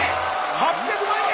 ８００万円！